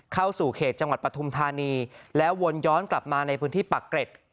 เข้าสู่เขตจังหวัดปฐุมธานีแล้ววนย้อนกลับมาในพื้นที่ปักเกร็ด